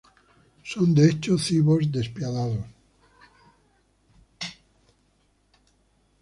Son, de hecho, cyborgs despiadados.